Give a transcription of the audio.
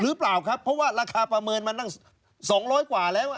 หรือเปล่าครับเพราะว่าราคาประเมินมาตั้ง๒๐๐กว่าแล้ว